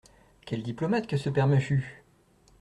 Quel diplomate que ce père Machut !